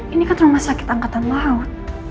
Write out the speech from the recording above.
ini kan rumah sakit angkatan laut